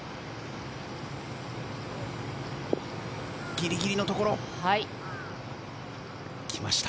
ギリギリのところ。来ました。